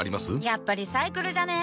やっぱリサイクルじゃね？